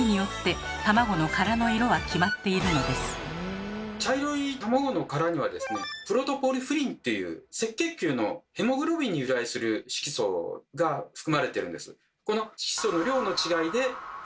このように茶色い卵の殻にはですね「プロトポルフィリン」という赤血球のヘモグロビンに由来する色素が含まれてるんです。